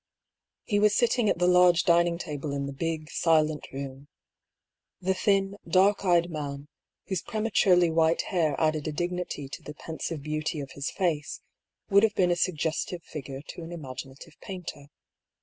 He was sitting at the large dining table in the big, silent room. The thin, dark eyed man, whose prema turely white hair added a dignity to the pensive beauty of his face, would have been a suggestive figure to an imaginative painter.